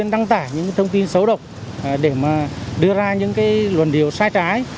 đăng tải những cái thông tin xấu độc để mà đưa ra những cái luận điều sai trái